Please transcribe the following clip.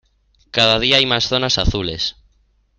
Cada día hay más zonas azules.